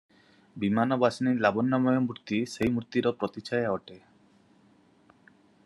ବିମାନବାସିନୀ ଲାବଣ୍ୟମୟ ମୂର୍ତ୍ତି ସେହି ମୂର୍ତ୍ତିର ପ୍ରତିଛାୟା ଅଟେ ।